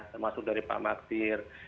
termasuk dari pak maktir